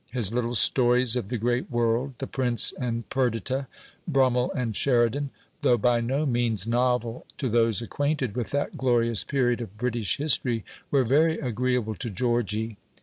His little stories of the great world the Prince and Perdita, Brummel and Sheridan though by no means novel to those acquainted with that glorious period of British history, were very agreeable to Georgy.